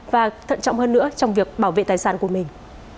và thận trọng hơn nữa trong việc bảo vệ tài sản của mình